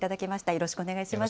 よろしくお願いします。